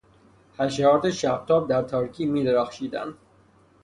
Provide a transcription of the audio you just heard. حشرات شبتاب در تاریکی میدرخشیدند.